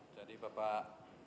jadi bapak ali